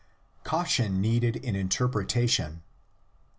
CAUTION NEEDED IN INTERPRETATION.